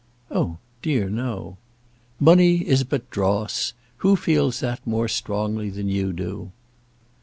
"Oh, dear no." "Money is but dross. Who feels that more strongly than you do?"